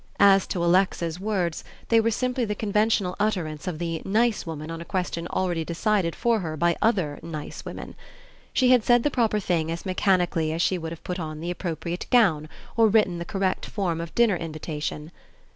As to Alexa's words, they were simply the conventional utterance of the "nice" woman on a question already decided for her by other "nice" women. She had said the proper thing as mechanically as she would have put on the appropriate gown or written the correct form of dinner invitation.